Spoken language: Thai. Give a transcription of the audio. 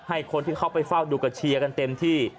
ให้คนที่เขาไปเฝ้าดูก็เชียร์กันเต็มที่